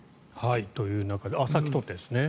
という中でさっき撮ったやつですね。